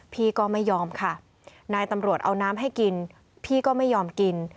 พี่ก็ไม่ยอมค่ะนายตำรวจเอาน้ำให้กินพี่ก็ไม่ยอมกิน